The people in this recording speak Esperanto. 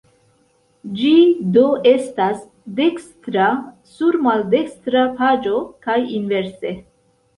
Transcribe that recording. Ĝi do estas dekstra sur maldekstra paĝo kaj inverse.